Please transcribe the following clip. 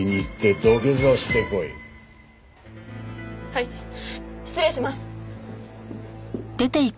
はい。